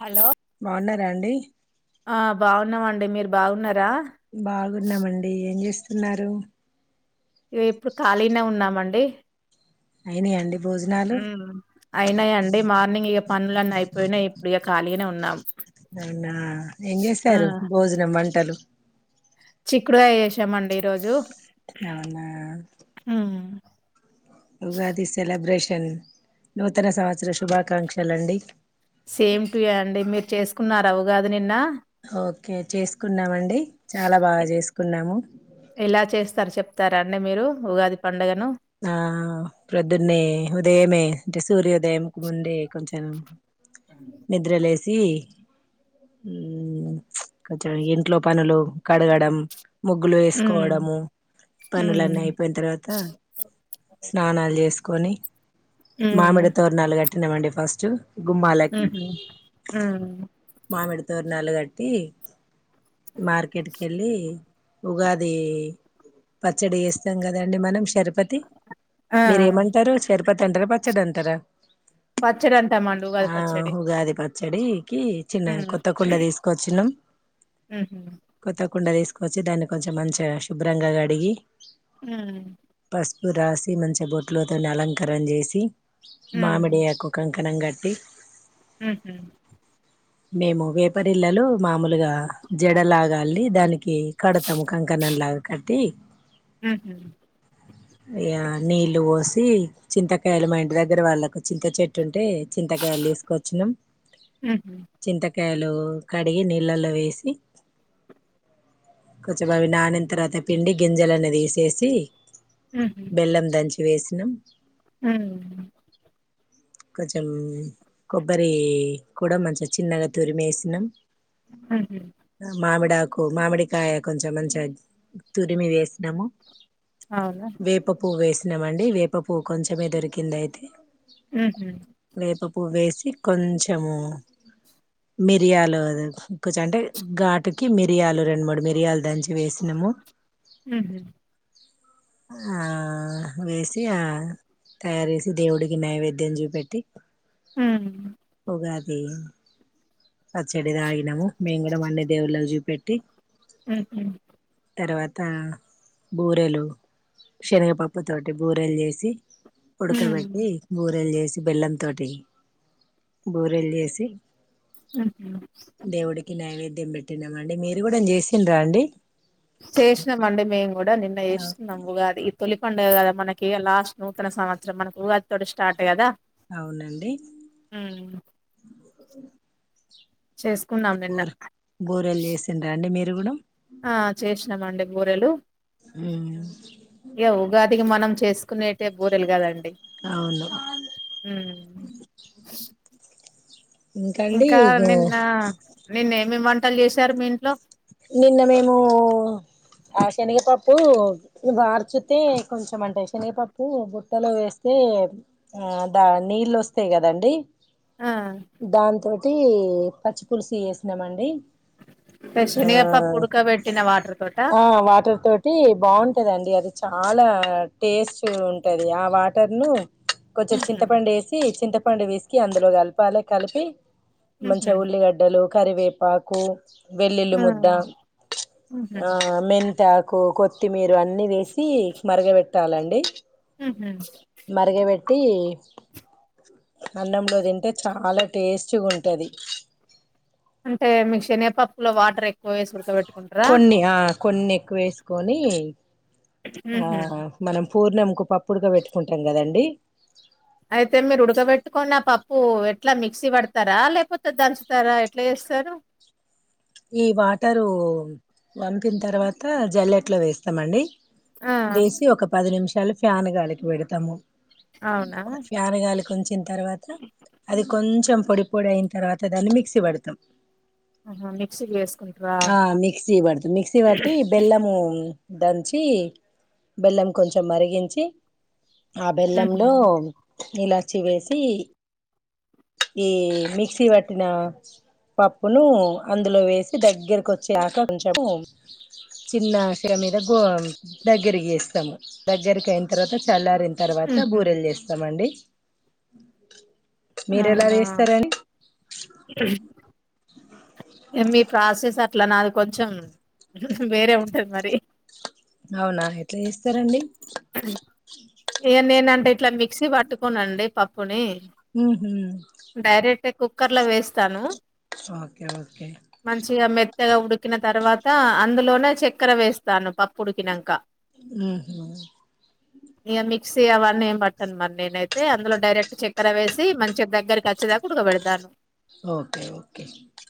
Hello రండి ఆ బాగున్నారాఅండి మీరు బాగున్నారా బాగున్నామండి ఏం చేస్తున్నారు ఇ ఇప్పుడు ఖాళీనే ఉన్నామండి అయిన అండి భోజనాలు అయినాయండి మార్నింగ్ ఇక పనులన్నీ అయిపోయినా ఇప్పుడు ఇక ఖాళీ అనే ఉన్నాం అయిందా ఏం ఆ చేసారు భోజనం వంటలు చిక్కుడుకాయ చేసామండి ఈ రోజు అవునా ఉగాది సెలబ్రేషన్ నూతన సంవత్సర శుభాకాంక్షలుండి సేమ్ టు అండి మీరు చేసుకున్నార ఉగాది నిన్న ఓకే చేసుకున్నామండి చాలా బాగా చేసుకున్నాము తరా అండి మీరు ఉగాది పండుగను ఆ ప్రొద్దున్న ఉదయమే అంటే సూర్యోదయం కు ముందే కొంచెం నిద్ర లేసి ఊ కొంచెం ఇంట్లో పనులు కడగడం ముగ్గులు ఉమ్ వేసుకోవడము పనులన్నీ అయిపోయిన తర్వాత స్నానాలు చేసుకొని మామిడి తోరణలు కట్టినామండి ఫస్ట్ గుమ్మాలకి ఉహు మామిడుతోరులు కటి ది మార్కెట్ కెళ్లి ఉగాది పచ్చడి చేస్తాం కదండి మనం షర్ రుపతి ఆ మీరేమంటారు షరుపతి అంటార పచ్చడి అంటారా పచ్చడి అంటామండి ఉగాది ఆ పచ్చడి ఉగాది ప చెడికి చిన్న ఉహు కొత్త కుండ తీసుకొచ్చన్నాం కొత్త కుండా తీసుకోవచ్చి దాన్ని కొంచెం మంచిగా శుభ్రంగా కడిగి ఉమ్ పసుపు రాసి మంచి బొట్లోతో అలంకారం చేసి మామిడికు కనంగట్టి ఆహ మేము వేపరిళ్లలు మామూలుగా జడలాగా అల్లి దాని కి కడతం కంకణలాగా కటి ఉహు ఇగ నీళ్లు పోసి చింతకాయలు మా ఇంటి దగ్గర వాళ్ళకు చింత చెట్టు ఉం టే చింతకాయలు తీసుకొచ్చినం హుహు. చింతకాయలు కడిగి నీళ్లలో వేసి కొంచెం అవి నానిన తర్వాత పిండి గింజలు అన్ని తీసేసి హుహు. బెల్లం దంచి వేసినాం హ్మ్ కొంచెం కొబ్బరి కూడా మంచిం చిన్నగా తురిమేసినాం హుహు. మామిడ కు మామిడికాయ కొంచెం మంచిగా తురిమి వేసినాము అవునా? వేప పువ్ వేసినామండి వేప పువ్ కొంచమే దొరికింది అయితే ఉహుమ్ ఉప్పు వేసి కొంచెము మిరియాలు కూచ అంటే ఘాటుకి మిరియాలు రెండు మూడు మిరియాలు దంచి వేసినం ము హ్మ్ ఆ వేసి ఆ తయారుచెసి దేవుడికి నైవేద్యం చూపెట్టి హ గాది పచ్చడి తాగినము మేము కూడా అన్ని దేవుళ్ళకి చూపెట్టి ఉహుమ్ తర్వాత బూరెలు శనగపప్పుతోటి బూరెలు చేసి హ్మ్. ఉడకబెట్టి బూరెలు చేసి బెల్లంతో బూరెలు చేసి హుహు. దేవుడికి నైవేద్యం పెట్టినామ అండి మీరు కూడా చేసిండ్రా అండి చేసినం అండి మేము కూడా నిన్న చేసుకున్నామ ఉగాది తొలి పండుగ కదా మనకి లాస్ట్ నూతన సంవత్సరం మనకు ఉగాది తోటి స్టార్ట్ కదా అవునండి చేసుకున్నాం నిన్న. బూర్ బూరెలు చేసిండ్రా అండి మీర ఆ చేసినామండి బూరెలు మ్మ్ ఉగాదికి మనం చేసుకునేటే బూరెలు కదండి అవును హు ఇంకండి ఇంకా ఇగ నిన్న నిన్న ఏమి వంటలు చేసారు మీ ఇంట్లో నిన్న మేము ఆ శనగపప్పు వార్చుతే కొంచెం అంటే శనగపప్పు బుట్టలో వేస్తే ఆ దా నీళ్ళు వస్తాయి కదండి ఆ! దాంతోటి పచ్చిపులుసు చేసినం అండి ఆ శనగపప్పు ఉడకబెట్టిన వాటర్ తోటా? ఆ వాటర్ తోటి బాగుంటదండి అది చాలా టేస్ట్ ఉంటది ఆ వాటర్ను కొంచెం హుహు. చింతపండు వేసి చింతపండు పిసికి అందులో కలపాలి కలిపి హుహు. మంచిగా ఉల్లిగడ్డలు కరివేపాకు వెల్లుల్లి ఆ! ముద్ద హుహు. ఆ మెంతాకు కొత్తిమీర ఇవన్నీ వేసి మరగ పెట్టాలండి హ అట్టి అన్నంలో తింటే చాలా టేస్ట్గా ఉంటది అంటే మీకు శనపప్పులో వాటర్ ఎక్కువ వేసి ఉడకబెడతా కొన్ని ఆ కొన్ని ఎక్కువ వేసుకొని ఆ హుహు. మనం పూర్ణంకు పప్పు ఉడుక పెట్టుకుంటాం కదండి అయితే మీరు ఉడకబెట్టుకొని ఆ పప్పు ఎట్లా మిక్సీ పడతారా లేకపోతే దంచుతారా ఎట్లా సరూ ఈ వాటరు వంపిన తర్వాత జల్లెట్ లో వేస్తామండి ఆ! వేసి ఒక పది నిమిషాలు ఫ్యాన్ గాలికి పెడతాము అవునా? ఫ్యాన్ గాలికి ఉంచిన తర్వాత అది కొంచెం పొడి పొడి అయిన తర్వాత దాన్ని మిక్సీ పడతాం ఆహా! మిక్సీకి వేసుకుంటారా? ఆ మిక్సీ పడుతు మిక్సీ పట్టి బెల్లము దంచి బెల్లం కొంచెం మరిగించి ఆ హుహు. బెల్లంలో ఇలాచి వేసి ఈ మిక్సీ పట్టినా పప్పును అందులో వేసి దగ్గరికి వచ్చక కొంచంము చిన్నశగా మీద గో దగ్గరకి వేస్తాము దగ్గరికి అయిన తర్వాత చల్లారి తర్వాత హుహు. బూరెలు చేస్తామండి మీరు ఎలా అవునా చేస్తారని ఏ మీ ప్రాసెస్ అట్ల నాది కొంచెం వేరే ఉంటది మరి అవునా ఎట్లే చెస్ ఇగా నేనంటే ఇట్లా మిక్సీ పట్టుకోనండి పప్పుని ఉహూ కుక్కర్ లో వేస్తాను ఓకే ఓకే త్తగ ఉడికిన తర్వాత అందులోనే చక్కెర వేస్తాను పప్పు ఉడికినంక ఉహా ఇక మిక్సీ అవన్న ఏం పట్టను మరి నేనైతే అందులో డైరెక్ట్ చక్కె వేసి మంచిగా దగ్గరకి చ్చదాక ఉడకబడతాను ఓకే ఓకే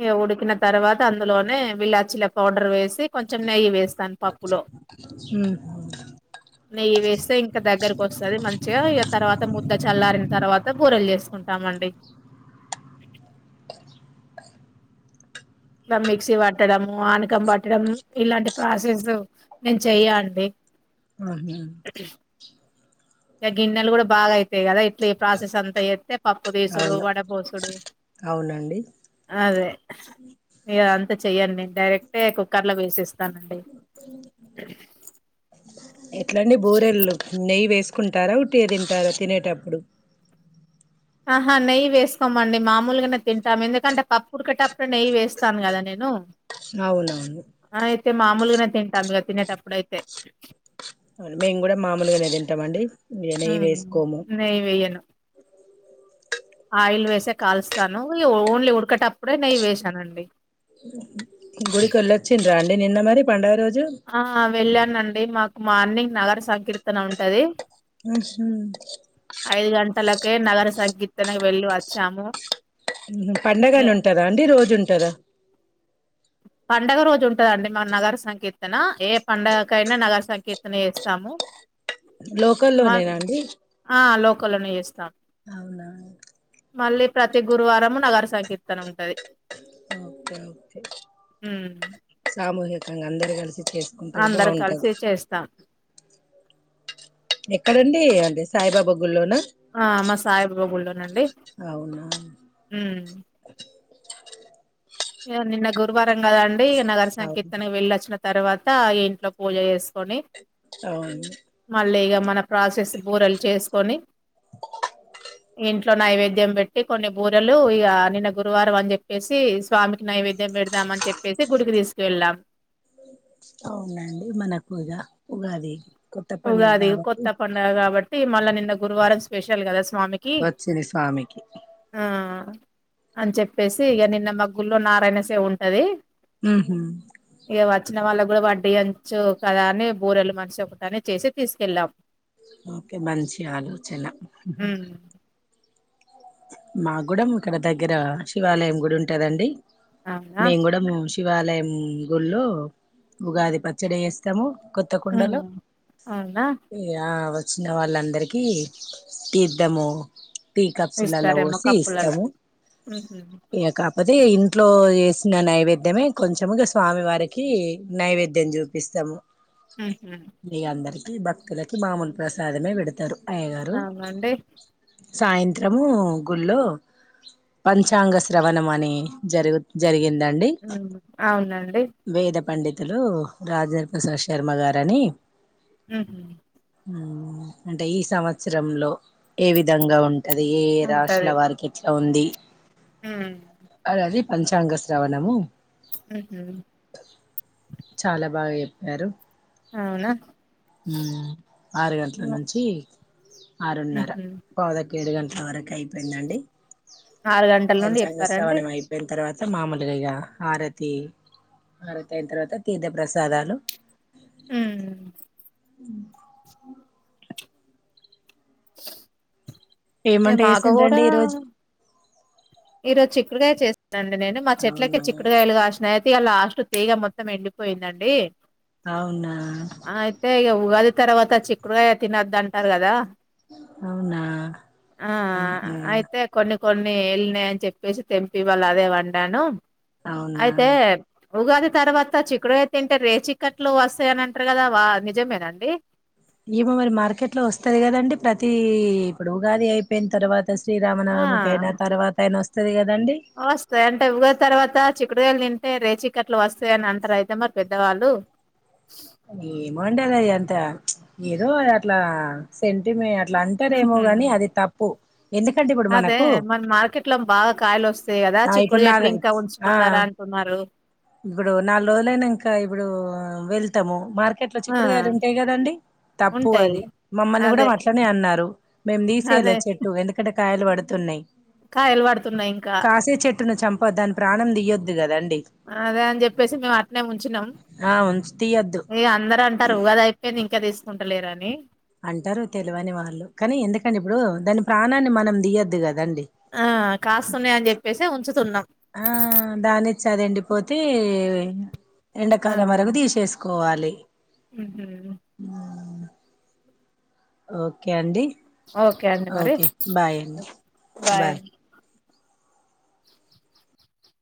ఇగ ఉడికిన తర్వాత అందులోనే విలాచిల పౌడర్ వేసి కొంచెం నెయ్యి వేసి ఉ నెయ్యి వేస్తే ఇంకా దగ్గరకి వస్తుంది మంచిగా ఇగా తర్వాత ముద్ద చల్లారిన తర్వాత బూరేలు చేస్త చూసుకుంటామండి ఇట్లా మిక్సీ పట్టడము ఆనకం పట్టడం ఇలాంటి ప్రాసెస్ నేను చెయ్య అండి ఆహా ఇక గిణెలు కూడా బాగా అయితే ఈదా ఇట్లీ ప్రాసెస్ అంతా చెత్త పప్పు తీసుడు అవును వడ పోసుడు అవునండి అదే ఇగా అ చెయ్యడి నేను డైరెక్టే కుక్కర్ లో వేసిస్తానండి ఎట్లాండి బోరెల్లు నెయ్యి వేసు కుంటారా ఉట్టి తింటారా తినేటప్పుడు ఆహా నెయ్యి వేసుకోమండి మామూలుగానే తింటాము ఎందుకంటే పప్పు కుడకేటప్పుడు నెయ్యి వేస్తాను కదా నేను అవునవును ఆ అయితే మామూలుగానే తింటాం ఇక తినేటప్పుడు అయితే అవును మేము కూడా మామూలుగానే తింటామ అండి నెయ్యి ఉమ్, వేసుకోము నెయ్యి వేయను ఆయిల్ వేసే కాలుస్తాను ఓన్లీ ఉడకేటప్పుడే నెయ్య వేసానండి గుడికి ఎళ్ వచ్చిడ్ర అండి నిన్న మ పండగా రోజు ఆ వెళ్ళానండి మాకు మార్నింగ్ నగర సంకీర్తన ఉంటది హ్మ్ హు కే నగర సంకీర్తనకి వెళ్ళి వచ్చాము హ్మ్ హు పండగనే ఉంటదా అండి రోజు ఉంటదా పండగ రోజు ఉంటదండి మ నగర సంకీర్తన ఏ పండుగకైనా నగర సంకీర్తన ఎస్తాము లోకల్లోనేనాండి ఆ లోకల్లోనే చేస్తాం మళ్ళీ ప్రతి గురువారము నగర సంకీర్తన ఉంటది ఓకే ఓకే హ్మ్ అంగ అందరు కలిసి చేసుకుంటారు కలిసి బావుంటది చేస్తాం ఎక్కడండి అంటే సాయిబాబా గుళ్ళోనా ఆ మా సాయిబాబా గుళ్ళోనండి అవునా ఉమ్ నిన్న గురువారం కదండి నగర అవును సంకీర్తన వెళ్ళి వచ్చిన తర్వాత ఇంట్లో పూజ చేస్ కొని అవును మళ్ళీ ఇగ మన ప్రాసెస్ బూరెలు చేస్కొని ఇంట్లో నైవేద్యం పెట్టి కొన్ని బూరెలు ఇగ నిన్న గురువారం అని చెప్పేసి స్వామికి నైవేద్యం పెడదామని చెప్పి అవునండి మన పూజ ఉగాది కొత్త పండగ ఉగాది కాబట్టి కొత్త పండుగ కాబట్టి మళ్ళా నిన్న గురువారం స్పెషల్ కదా స్వామికి వచ్చింది స్వామికి ఆ.. అని చెప్పేసి ఇగ నిన్న మ గుళ్ళో నారాయణ సేవ ఉంటది హ్మ్ హు చిన వాళ్ళ క్ గూడా వడ్డీ అంచు కదా అని బూరెలు మనిషి ఒకటిని చేసి తీస్కెళ్ళామ్ ఓకే మంచి ఆలోచన ఉమ్ మా గూడ ఇక్కడ దగ్గర శివాలయం గుడి ఉంటాదండి అవునా మేమ్ గుడము శివాలయం హ్మ్ గుళ్ళో ఉగాది పచ్చడి ఎస్తాము ఉమ్ కొత్తకుండలో అవునా ఏఆ వ చిన్న వాళ్ళందరికి తీర్థము సుల్లలో ఇస్తారేమో ఓసి కప్పులలో ఇస్తాము ఉహు, ఇగ కాపోతే ఇంట్లో చేసిన నైవేద్యమే కొంచము ఇగ స్వామి వారికి నైవేద్యం చూపిస్తాము ఉహు. మీ అందరికీ భక్తులకి మామూలు ప్రసాదమే పెడతారు అవునండి త్రము గుళ్ళో పంచాంగ శ్రవణం అని జరుగు జరిగింది దండి ఉమ్, అవునండి వేదం పండితులు రాజేంద్ర ప్రసాద్ శర్మ గారని హ్మ్ హు హ్మ్ అంటే ఈ సంవత్సరంలో ఏ విధంగా ఉం టది ఏ ఏ రాశుల వారికి ఎట్లా ఉంది హ్మ్ పంచాంగశ్రవణము హ్మ్ హు చాలా బాగా ఎప్పారు అవునా ఆరు గంటల నుంచి ఆరున్నర ఉహు. పావు ఒక ఏడు గంటల వరకు అయిపోయిందండి ఆరు గంటల నుండి పంచాంగ చెప్పారండి శ్రావణం అయిపోయిన తర్వాత స మామూలుగ ఇగ ఆరతి ఆరతి అయిన తర్వాత తీర్థ ప్రసాదాలు హ్మ్ అ ఏం ఇగ వంట మాకు చేసిండ్లు అండి ఈరోోజు ఈ రోజు చిక్కుకాయ చేస్తానండి నేను మా చెట్లకే అవునా చిక్కుడుగాయలు కాసినాయి లాస్ట్ తీగ మొత్తం ఎండిపోయిందండి అవునా అయితే ఇగా ఉగాది తర్వాత చిక్కుడుకాయ తినద్దు అంటారు కదా అవునా ఆ ఆహా అయితే కొన్ని కొన్ని ఎల్లినాయి అని చెప్పేసి తెంపి ఇవాళ అదే వండాను అవునా అయితే ఉగాది తర్వాత చిక్కుడు అ తింటే రేచక్కట్లు వస్తాయని అంటారు కదా వా నిజమేనండి ఏమో మరి మార్కెట్ లో వస్తంది కదండి ప్రతిీ ఇప్పుడు ఉగాది అయిపోయిన తర్వాత ఆ శ్రీరామనవమికి అయినా తర్వాత ఆయన వస్తుది వస్తాయి అంటే ఉగాది తర్వాత చిక్కుడుకాయలు తింటే రేచికట్లు వస్తాయ అని అంటరు అయితే మరి పెద్దవాళ్ళు ఏమోండీ అది ఎంత ఏదో అ అట్లా సెంటిమెట్ అ అట్లా అంటారెమో ఉహుమ్ గాని అది తప్పు ఎందుకంటే ఇప్పుడు అదే మనకు మన మార్కెట్ లో బాగా కాయలు వస్తాయి కదా ఆ ఇప్పుడు చిక్కుడు చెట్లు నాలు ఇంకా ఆ ఉంచుకున్నారా అంటున్నారు ఇప్పుడు నాలుగు రోజులైనంక ఇప్పుడు వెళ్తాము మార్కె ఎట్లా ఆ చిక్కుడుగాయలు ఉంటాయి కదండి తప్పు ఉంటాయి అది మమ్మల్ని కూడా అదే అట్లనే అన్నారు మే తీసే అదే లేదుచెట్టు ఎందుకంటే కాయలు పడుతున్నాయి కాయలు పడుతున్నాయి ఇంకా కాసే చెట్టును చంపద్దు దాని ప్రాణం దియ్యొద్దు కదాండి అదే అని చెప్పేసి మేము అట్నే ఉంచినం ఆ ఉంచు తీయొద్దు ఇగా అందర అంటారు ఉగాది అయిపోయింది ఇంకా తీసుకుంటలేరాని అంటారు తెలవని వాళ్ళు కానీ ఎందుకంటే ఇప్పుడు దాని ప్రాణాన్ని మనం దియొద్దు కదా దండి ఆ కాస్తున్నాయి అని చెప్పేసి ఉంచుతున్నాం ఆ దాన్నిచ్చేది ఎండిపోతది యితే ఎండాకాలం వరకు తీసేసుకోవాలి ఉహూ ఓకే అండి ఓకే అండి మరి ఓకే బాయ్ అండి బాయ్ అండి కీక్ కీక్